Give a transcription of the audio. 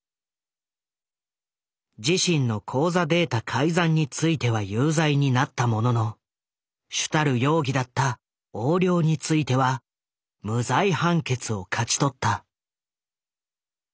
自身の口座データ改ざんについては有罪になったものの主たる容疑だった「横領」については無罪判決を勝ち取った。